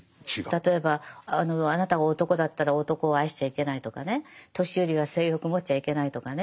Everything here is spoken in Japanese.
例えばあなたが男だったら男を愛しちゃいけないとかね年寄りは性欲持っちゃいけないとかね